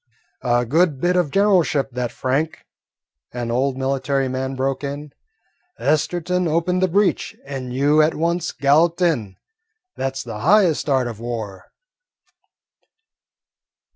"A good bit of generalship, that, Frank," an old military man broke in. "Esterton opened the breach and you at once galloped in. That 's the highest art of war."